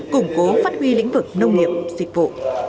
củng cố phát huy lĩnh vực nông nghiệp dịch vụ